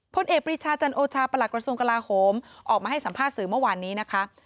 พลเอกปริชาจันโอชาประหลักกระทรวงกลาโหมออกมาให้สัมภาษณ์สื่อเมื่อวานนี้นะคะ